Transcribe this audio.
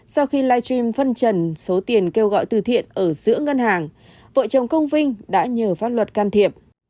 sau khi live stream phân trần số tiền kêu gọi từ thiện ở giữa ngân hàng vợ chồng công vinh đã nhờ pháp luật can thiệp